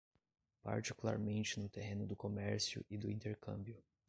particularmente no terreno do comércio e do intercâmbio